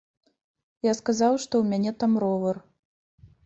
Я сказаў, што ў мяне там ровар.